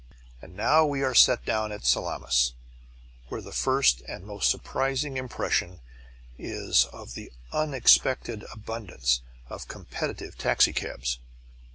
And now we are set down at Salamis, where the first and most surprising impression is of the unexpected abundance of competitive taxicabs.